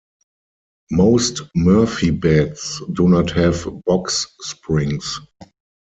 Most Murphy beds do not have box springs.